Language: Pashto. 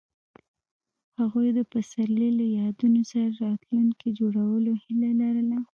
هغوی د پسرلی له یادونو سره راتلونکی جوړولو هیله لرله.